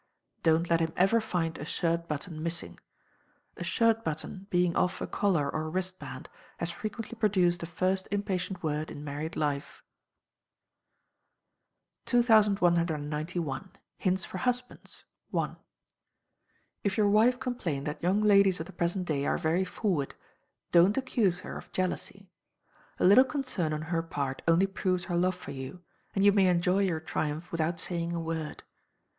Don't let him ever find a shirt button missing. A shirt button being off a collar or wrist band has frequently produced the first impatient word in married Life. 2191. Hints for Husbands (1). If your wife complain that young ladies of the present day are very forward, don't accuse her of jealousy. A little concern on her part only proves her love for you, and you may enjoy your triumph without saying a word.